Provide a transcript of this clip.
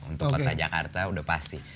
untuk kota jakarta udah pasti